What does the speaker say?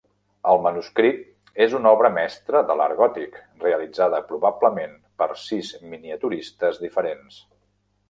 El manuscrit és una obra mestra de l'art gòtic, realitzada probablement per sis miniaturistes diferents.